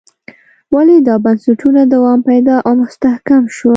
ولې دا بنسټونه دوام پیدا او مستحکم شول.